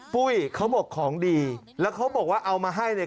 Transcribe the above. ปุ้ยเขาบอกของดีแล้วเขาบอกว่าเอามาให้เนี่ย